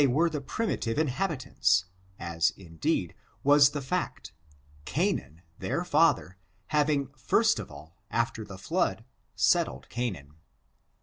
j were the primitive inhabitants, as indeed was the fact — Canaan, their father, having first of all, after the flood, settled Canaan.